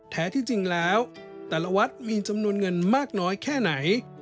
แท้ที่จริงแล้วแต่ละวัดมีจำนวนเงินมากน้อยแค่ไหน